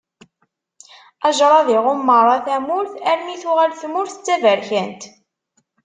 Ajṛad iɣumm meṛṛa tamurt armi i tuɣal tmurt d taberkant.